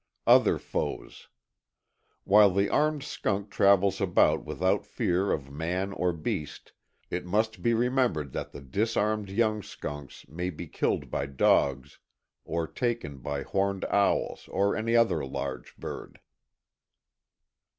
Other FoesŌĆöWhile the armed skunk travels about without fear of man or beast, it must be remembered that the disarmed young skunks may be killed by dogs, or taken by horned owls or any other large bird.